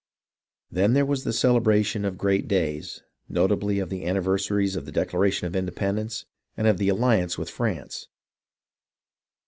Then there was the celebration of great days, notably of the anniversaries of the Declaration of Independence and of the alliance with France.